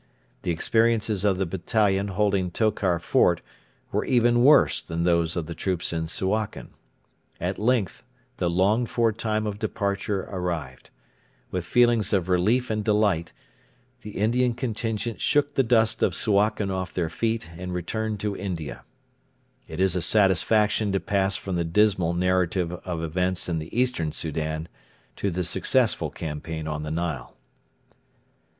The experiences of the battalion holding Tokar Fort were even worse than those of the troops in Suakin. At length the longed for time of departure arrived. With feelings of relief and delight the Indian contingent shook the dust of Suakin off their feet and returned to India. It is a satisfaction to pass from the dismal narrative of events in the Eastern Soudan to the successful campaign on the Nile.